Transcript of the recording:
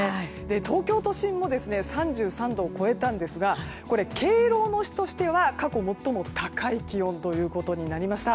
東京都心も３３度を超えたんですがこれ、敬老の日としては過去最も高い気温となりました。